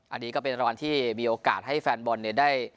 อันนี้ก็เป็นรางวัลที่มีโอกาสให้แฟนบอลเนี่ยได้